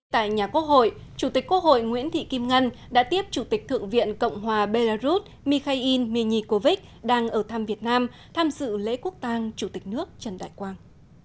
tại nhà quốc hội chủ tịch quốc hội nguyễn thị kim ngân đã tiếp chủ tịch thượng viện cộng hòa belarus mikhail minikovic đang ở thăm việt nam tham dự lễ quốc tàng chủ tịch nước trần đại quang